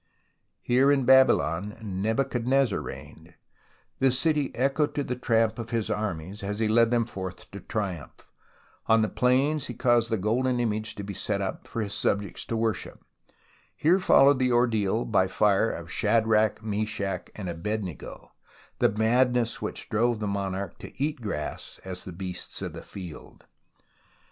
Here in Babylon Nebuchadnezzar reigned, the city echoed to the tramp of his armies as he led them forth to triumph ; out on the plains he caused the golden image to be set up for his subjects to worship ; here followed the ordeal by fire of Shadrach, Meshach and Abednego, the madness which drove the monarch to eat grass as the beasts of the field.